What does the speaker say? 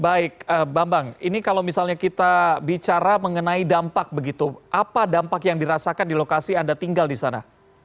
baik bambang ini kalau misalnya kita bicara mengenai dampak begitu apa dampak yang dirasakan di lokasi anda tinggal di sana